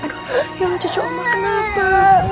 ya allah cucu allah kenapa